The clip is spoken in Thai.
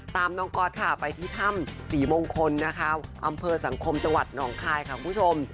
น้องก๊อตค่ะไปที่ถ้ำศรีมงคลนะคะอำเภอสังคมจังหวัดหนองคายค่ะคุณผู้ชม